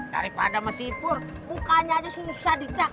daripada sama sipur mukanya aja susah dicat